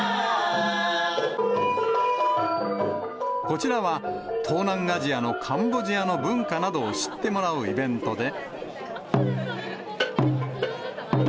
こちらは、東南アジアのカンボジアの文化などを知ってもらうイベントで。